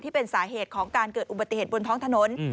ที่เป็นสาเหตุของการเกิดอุบัติเหตุบนท้องถนน